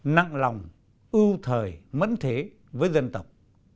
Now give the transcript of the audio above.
nặng lòng ưu thời mẫn thế với dân tộc